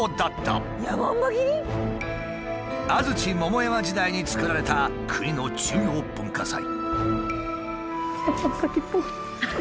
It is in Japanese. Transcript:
安土桃山時代に作られた国の重要文化財。